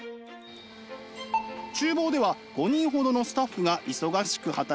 厨房では５人ほどのスタッフが忙しく働いています。